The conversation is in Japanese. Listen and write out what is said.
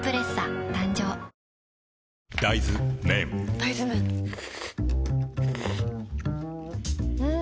大豆麺ん？